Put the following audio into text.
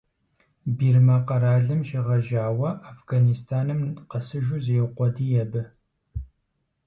Бирмэ къэралым щегъэжьауэ Афганистаным къэсыжу зеукъуэдий абы.